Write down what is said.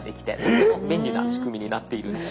とても便利な仕組みになっているんです。